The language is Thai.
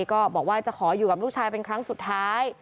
ก็บอกว่าจะขออยู่กับลูกชายเป็นครั้งสุดท้าย